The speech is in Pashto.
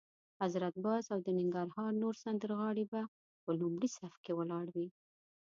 حضرت باز او د ننګرهار نور سندرغاړي به په لومړي صف کې ولاړ وي.